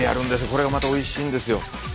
これがまたおいしいんですよ。